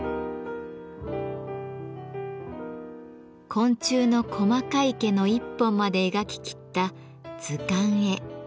昆虫の細かい毛の一本まで描ききった図鑑絵。